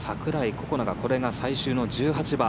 心那がこれが最終の１８番。